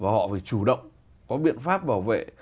họ phải chủ động có biện pháp bảo vệ